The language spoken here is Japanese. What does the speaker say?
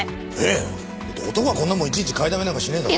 えっ男がこんなもんいちいち買いだめなんかしねえだろ。